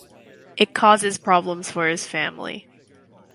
It causes problems for his family.